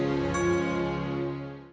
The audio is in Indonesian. aku beneran percaya